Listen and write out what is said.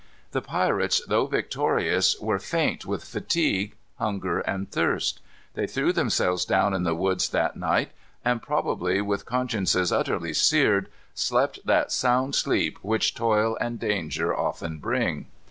The pirates, though victorious, were faint with fatigue, hunger, and thirst. They threw themselves down in the woods that night, and, probably with consciences utterly seared, slept that sound sleep which toil and danger often bring.